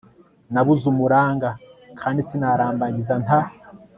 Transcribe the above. nabuze umuranga. kandi sinarambagiza nta